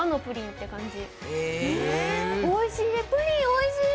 おいしい。